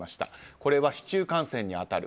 これは市中感染に当たる。